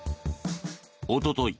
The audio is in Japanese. おととい